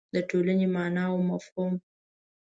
د ټولنې مانا او مفهوم